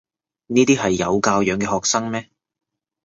呢啲係有教養嘅學生咩？